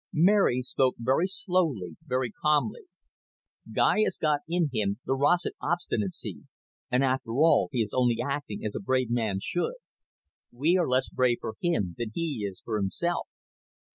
Mary spoke very slowly, very calmly. "Guy has got in him the Rossett obstinacy, and, after all, he is only acting as a brave man should. We are less brave for him than he is for himself."